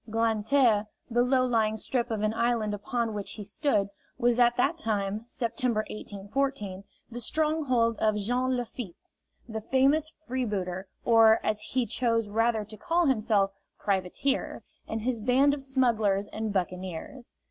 Grand Terre, the low lying strip of an island upon which he stood, was at that time September, 1814 the stronghold of Jean Lafitte, the famous freebooter, or, as he chose rather to call himself, privateer, and his band of smugglers and buccaneers.